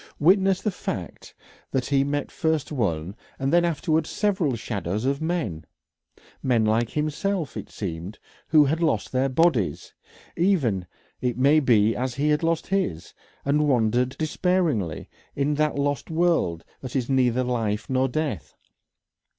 Witness the fact that he met first one, and afterwards several shadows of men, men like himself, it seemed, who had lost their bodies even it may be as he had lost his, and wandered, despairingly, in that lost world that is neither life nor death.